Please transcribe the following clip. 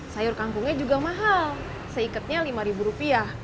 sayur kangkungnya juga mahal seikatnya lima ribu rupiah